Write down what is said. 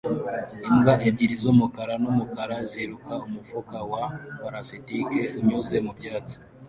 imbwa ebyiri z'umukara n'umukara ziruka umufuka wa plastike unyuze mu byatsi